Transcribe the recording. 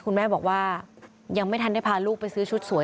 คุณแม่บอกว่ายังไม่ทันได้พาลูกไปซื้อชุดสวย